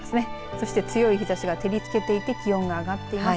そして強い日ざしが照りつけていて気温が上がっています。